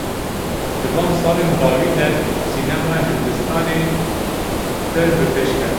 Di van salên dawî de sînemaya Hindistanê pir bi pêş ket.